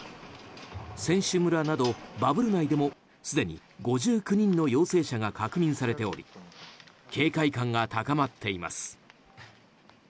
選手村などバブル内でもすでに５９人の陽性者が確認されており警戒感が高まっています。